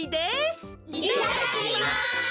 いただきます！